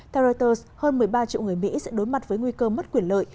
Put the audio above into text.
theo reuters hơn một mươi ba triệu người mỹ sẽ đối mặt với nguy cơ mất quyền lợi